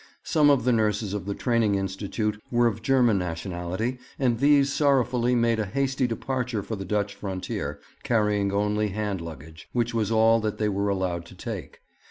Some of the nurses of the Training Institute were of German nationality, and these sorrowfully made a hasty departure for the Dutch frontier, carrying only hand luggage, which was all that they were allowed to take.